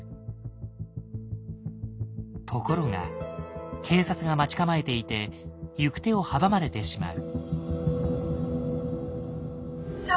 ところが警察が待ち構えていて行く手を阻まれてしまう。